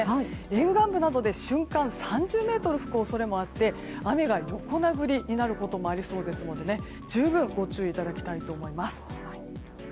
沿岸部などで瞬間３０メートル吹く恐れもあって雨が横殴りになることもありそうですので十分ご注意いただきたいと思います。